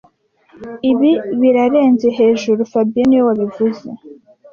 Ibi birarenze hejuru fabien niwe wabivuze